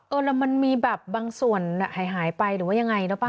แล้วมันมีแบบบางส่วนหายไปหรือว่ายังไงหรือเปล่า